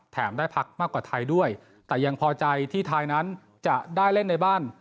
ได้พักมากกว่าไทยด้วยแต่ยังพอใจที่ไทยนั้นจะได้เล่นในบ้าน